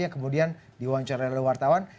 yang kemudian diwawancari oleh wartawan